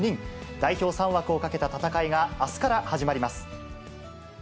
代表３枠をかけた戦いがあすから始まります。